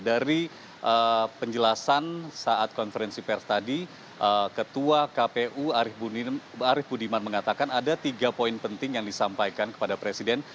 dari penjelasan saat konferensi pers tadi ketua kpu arief budiman mengatakan ada tiga poin penting yang disampaikan kepada presiden